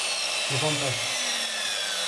Λοιπόν πες